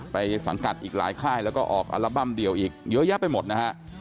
สังกัดอีกหลายค่ายแล้วก็ออกอัลบั้มเดี่ยวอีกเยอะแยะไปหมดนะฮะ